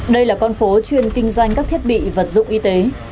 đây là con phố chuyên kinh doanh các thiết bị vật dụng y tế